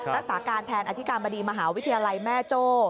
รักษาการแทนอธิการบดีมหาวิทยาลัยแม่โจ้